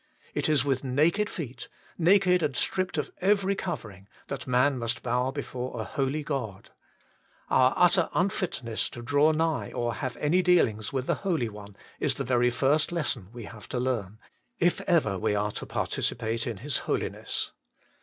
It is with naked feet, naked and stript of every covering, that man must bow before a holy God. Our utter un HOLINESS AND REVELATION. 41 fitness to draw nigh or have any dealings with the Holy One, is the very first lesson we have to learn, if ever we are to participate in His Holiness.